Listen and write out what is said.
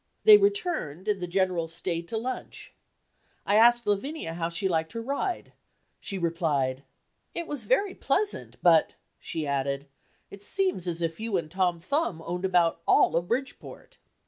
They returned, and the General stayed to lunch. I asked Lavinia how she liked her ride; she replied: "It was very pleasant, but," she added, "it seems as if you and Tom Thumb owned about all of Bridgeport!"